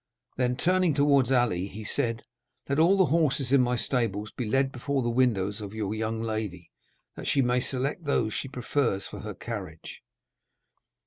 Then, turning towards Ali, he said, "Let all the horses in my stables be led before the windows of your young lady, that she may select those she prefers for her carriage.